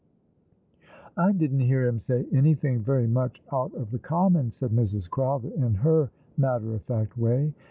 "I didn't hear him say anything very much out of tho common," said Mrs. Crowther, in her matter of fact way.